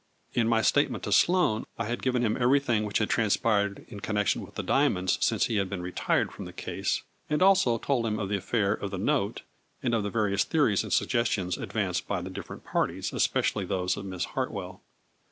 In my statement to Sloane I had given him every thing which had transpired in connection with the diamonds since he had been retired from the 170 A FLURRY IN DIAMONDS. case, and also told him of the affair of the note, and of the various theories and suggestions ad vanced by the different parties, especially those of Miss Hartwell.